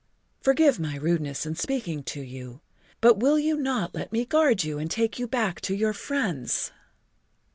Forgive my rudeness in speaking to you, but will you not let me guard you and take you back to your friends?"